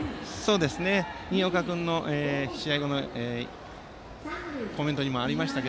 新岡君の試合後のコメントにもありましたが